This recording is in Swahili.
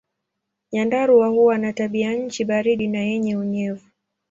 Nyandarua huwa na tabianchi baridi na yenye unyevu.